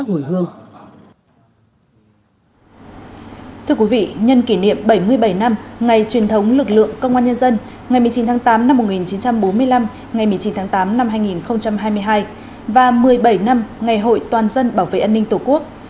thưa quý vị nhân kỷ niệm bảy mươi bảy năm ngày truyền thống lực lượng công an nhân dân ngày một mươi chín tháng tám năm một nghìn chín trăm bốn mươi năm ngày một mươi chín tháng tám năm hai nghìn hai mươi hai và một mươi bảy năm ngày hội toàn dân bảo vệ an ninh tổ quốc